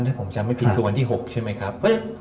ถ้าผมจำไม่ผิดคือวันที่๖ใช่ไหมครับ